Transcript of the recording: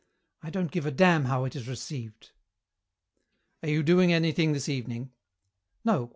I don't give a damn how it is received." "Are you doing anything this evening?" "No.